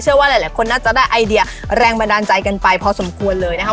ว่าหลายคนน่าจะได้ไอเดียแรงบันดาลใจกันไปพอสมควรเลยนะครับ